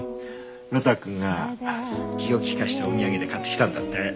呂太くんが気を利かせてお土産で買ってきたんだって。